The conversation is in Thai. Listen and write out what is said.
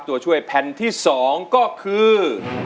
ตัวช่วยแผ่นที่๒ก็คือ